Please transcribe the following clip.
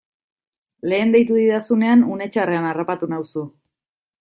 Lehen deitu didazunean une txarrean harrapatu nauzu.